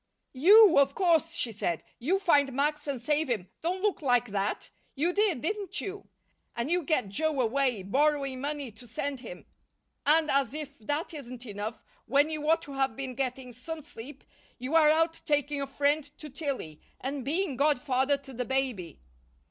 "You, of course," she said. "You find Max and save him don't look like that! You did, didn't you? And you get Joe away, borrowing money to send him. And as if that isn't enough, when you ought to have been getting some sleep, you are out taking a friend to Tillie, and being godfather to the baby."